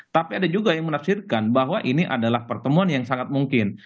tapi ada juga yang menafsirkan bahwa ini adalah pertemuan yang sangat mungkin